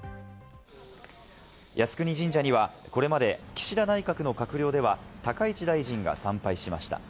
靖国神社には、これまで岸田内閣の閣僚では高市大臣が参拝しました。